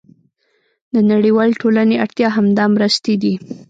د نړیوالې ټولنې اړتیا همدا مرستې دي.